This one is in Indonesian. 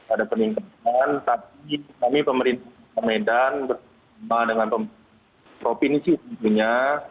ada peningkatan tapi kami pemerintah medan bersama dengan provinsi tentunya